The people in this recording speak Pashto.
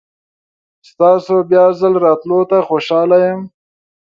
تاسو بیا ځل راتلو ته خوشحال یم.